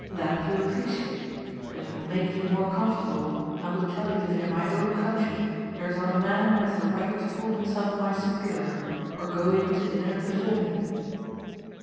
That you appreciate, but if it will make you more comfortable I will tell you that in my own country there is not a man who has the right to call himself my superior or go in to dinner before me."